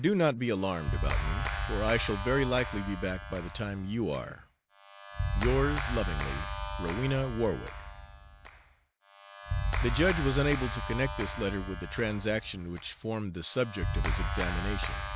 Do not be alarmed about me, for I shall very likely be back by the time you are. Yours lovingly, ROWENA WARWICK. The judge was unable to connect this letter with the transaction which formed the subject of his examination.